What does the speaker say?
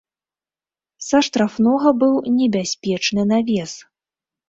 Са штрафнога быў небяспечны навес.